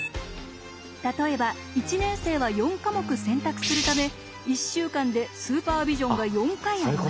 例えば１年生は４科目選択するため１週間でスーパービジョンが４回あります。